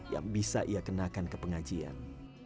yang bisa ia kenakan ke pengajian